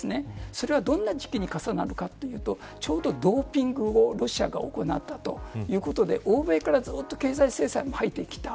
それはどんな時期に重なるかというとちょうど、ドーピングをロシアが行ったということで欧米からずっと経済制裁も入ってきた。